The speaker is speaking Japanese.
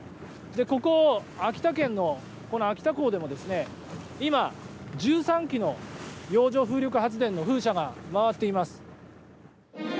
ここ秋田県の秋田港でも今、１３基の洋上風力発電の風車が回っています。